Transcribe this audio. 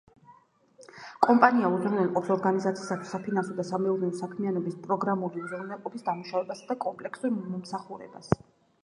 კომპანია უზრუნველყოფს ორგანიზაციებისათვის საფინანსო და სამეურნეო საქმიანობის პროგრამული უზრუნველყოფის დამუშავებასა და კომპლექსურ მომსახურებას.